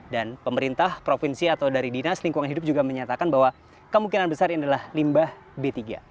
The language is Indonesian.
dan pemerintah provinsi atau dari dinas lingkungan hidup juga menyatakan bahwa kemungkinan besar ini adalah limbah b tiga